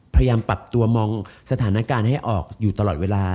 พยายามปรับตัวมองสถานการณ์ให้ออกอยู่ตลอดเวลา